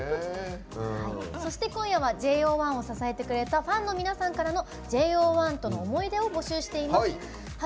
そして、今夜はＪＯ１を支えてくれたファンの皆さんからのＪＯ１との思い出を募集しています。